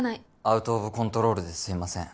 アウトオブコントロールですいません。